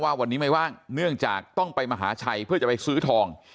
ว่าวันนี้ไม่ว่างเนื่องจากต้องไปมหาชัยเพื่อจะไปซื้อทอง